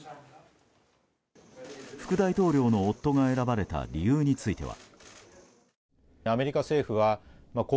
副大統領の夫が選ばれた理由については。